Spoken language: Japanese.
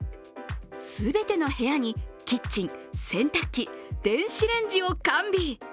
全ての部屋にキッチン、洗濯機、電子レンジを完備。